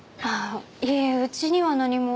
いえうちには何も。